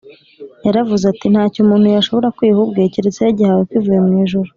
Yaravuze ati, “Nta cyo umuntu yashobora kwiha ubwe, keretse yagihawe kivuye mu ijuru